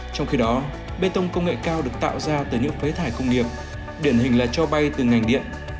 trong khi đó bê tông công nghệ cao được tạo ra từ những phế thải công nghiệp điển hình là cho bay từ ngành điện